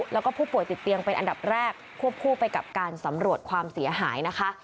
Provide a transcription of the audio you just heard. แล้วก็ผู้ป่วยติดเตียงเป็นอันดับแรกควบคู่ไปกับการสำรวจความเสียหายนะคะ